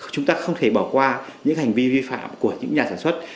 chúng ta không thể bỏ qua những hành vi vi phạm của những nhà sản xuất